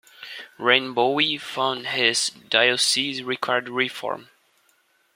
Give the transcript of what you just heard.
Rainbowe found his diocese required reform.